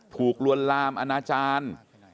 ถูกลวนลามอาณาจารย์